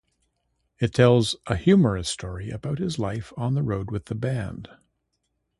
It tells a humorous story about his life on the road with the band.